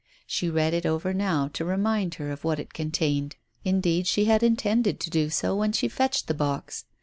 She read it over now to remind her of what it contained. Indeed she had intended to do so when she fetched the box.